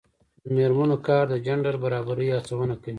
د میرمنو کار د جنډر برابرۍ هڅونه کوي.